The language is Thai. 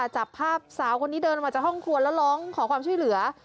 จับภาพสาวคนนี้เดินออกมาจากห้องครัวแล้วร้องขอความช่วยเหลือ